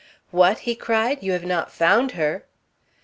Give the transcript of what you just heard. "What!" he cried, "you have not found her?"